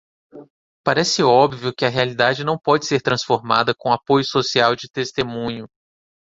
Parece óbvio que a realidade não pode ser transformada com apoio social de testemunho.